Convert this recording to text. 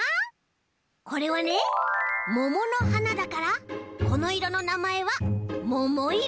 これはねもものはなだからこのいろのなまえはももいろ。